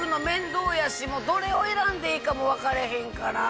どれを選んでいいかも分かれへんから。